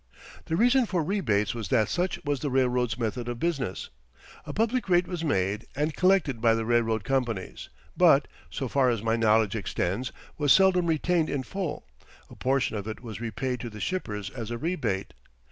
The reason for rebates was that such was the railroads' method of business. A public rate was made and collected by the railroad companies, but, so far as my knowledge extends, was seldom retained in full; a portion of it was repaid to the shippers as a rebate.